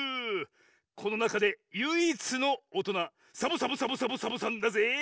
このなかでゆいいつのおとなサボサボサボサボサボさんだぜぇ！